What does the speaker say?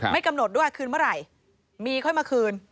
ไม่กำหนดด้วยคืนเมื่อไหร่มีค่อยมาคืน